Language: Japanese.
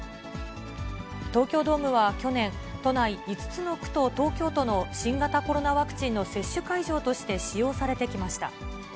東京ドームは去年、都内５つの区と東京都の新型コロナワクチンの接種会場として使用されてきました。